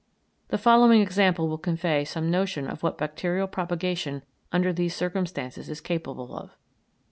The following example will convey some notion of what bacterial propagation under these circumstances is capable of.